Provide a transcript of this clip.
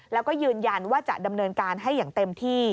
แล้วก็ยืนยันว่าจะดำเนินการให้อย่างเต็มที่